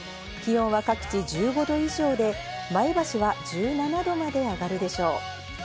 気温は各地１５度以上で前橋は１７度まで上がるでしょう。